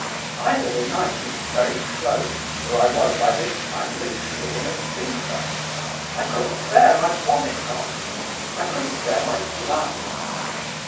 Either the night was very close, or I was by this time literally in a fever: I couldn't bear my bonnet on; I couldn't bear my gloves.